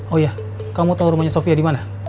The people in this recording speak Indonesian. oh iya kamu tau rumahnya sofi ya dimana